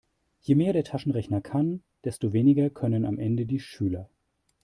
Je mehr der Taschenrechner kann, desto weniger können am Ende die Schüler.